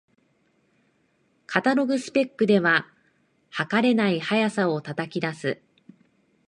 カタログスペックでは、はかれない速さを叩き出す